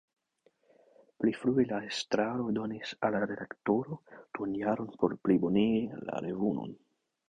Pli frue la estraro donis al la redaktoro duonjaron por plibonigi la revuon.